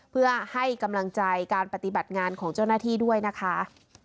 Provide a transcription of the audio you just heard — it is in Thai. เพื่อให้กำลังใจการปฏิบัติงานของเจ้าหน้าที่ด้วยนะคะ